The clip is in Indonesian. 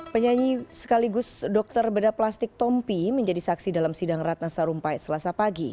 penyanyi sekaligus dokter bedah plastik tompi menjadi saksi dalam sidang ratna sarumpait selasa pagi